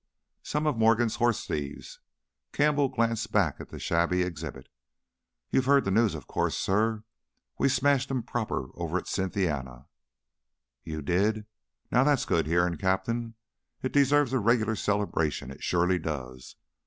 "Some of Morgan's horse thieves." Campbell glanced back at the shabby exhibit. "You've heard the news, of course, sir? We smashed 'em proper over at Cynthiana " "You did? Now that's good hearin', Captain. It deserves a regular celebration; it surely does.